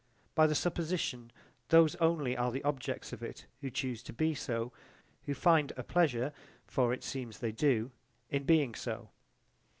By the supposition, those only are the objects of it who choose to be so, who find a pleasure, for so it seems they do, in being so.